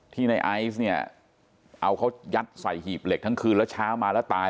ในไอซ์เนี่ยเอาเขายัดใส่หีบเหล็กทั้งคืนแล้วเช้ามาแล้วตาย